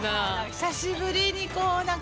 久しぶりにこうなんか、